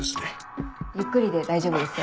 ゆっくりで大丈夫ですよ。